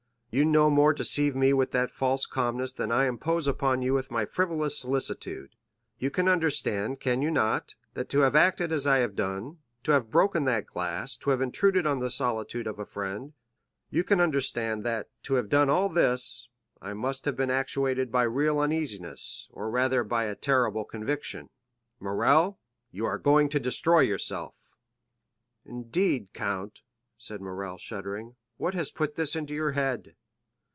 You no more deceive me with that false calmness than I impose upon you with my frivolous solicitude. You can understand, can you not, that to have acted as I have done, to have broken that glass, to have intruded on the solitude of a friend—you can understand that, to have done all this, I must have been actuated by real uneasiness, or rather by a terrible conviction. Morrel, you are going to destroy yourself!" "Indeed, count," said Morrel, shuddering; "what has put this into your head?"